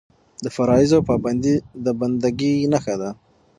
د فرایضو پابندي د بنده ګۍ نښه ده.